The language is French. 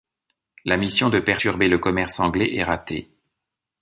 La mission de perturber le commerce anglais est ratée.